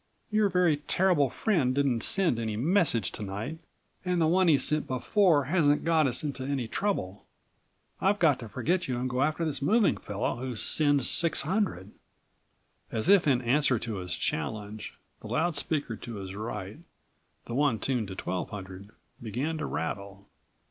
Your very terrible friend didn't send any message to night and the one he sent before hasn't got us into any trouble. I've got to forget you and go after this moving fellow who sends 600." As if in answer to his challenge the loud speaker to his right, the one tuned to 1200, began to rattle.